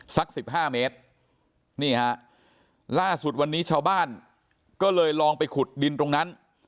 สักสิบห้าเมตรนี่ฮะล่าสุดวันนี้ชาวบ้านก็เลยลองไปขุดดินตรงนั้น